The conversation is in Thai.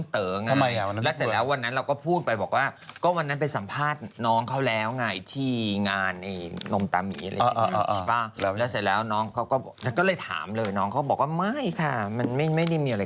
แต่ว่าพอเป็นข่าวแล้วมันสนุกจึงมีเอาเลยนะ